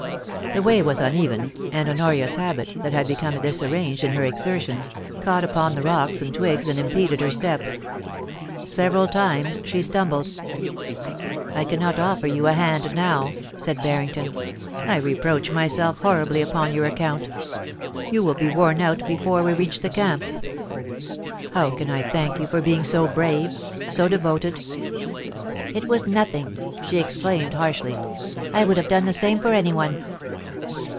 The way was uneven, and Honoria's habit, that had become disarranged in her exertions, caught upon the rocks and twigs and im peded her steps. Several times she stumbled. * I cannot offer you a hand now,* said Barrington. * I re proach myself horribly upon your account You will be worn out before we reach the camp. How can I thank you for being so brave — so devoted ?It was nothing !' she exclaimed harshly. ' I would have done the same for anyone.'